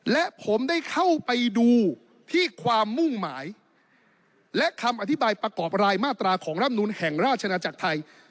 และผมได้เข้าไปดูที่ความมุ่งหมายและคำอธิบายประกอบรายมาตราของร่ำนูลแห่งราชนาจักรไทย